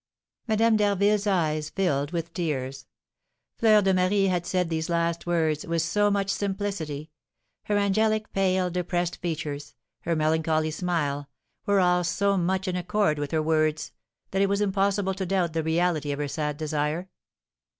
Madame d'Harville's eyes filled with tears. Fleur de Marie had said these last words with so much simplicity; her angelic, pale, depressed features, her melancholy smile, were all so much in accord with her words, that it was impossible to doubt the reality of her sad desire.